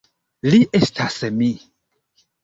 Li estas mi.